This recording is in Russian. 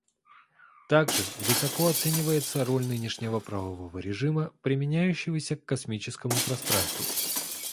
Также высоко оценивается роль нынешнего правового режима, применяющегося к космическому пространству.